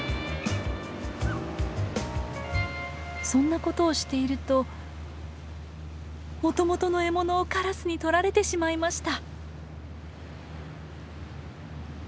そんなことをしているともともとの獲物をカラスに取られてしまいました。